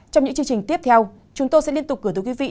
trong những chương trình tiếp theo chúng tôi sẽ liên tục gửi tới quý vị